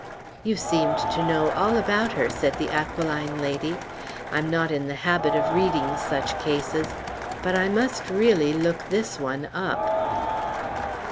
"You seemed to know all about her," said the aquiline lady. "I'm not in the habit of reading such cases. But I must really look this one up."